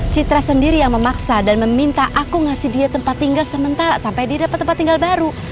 citra sendiri yang memaksa dan meminta aku ngasih dia tempat tinggal sementara sampai dia dapat tempat tinggal baru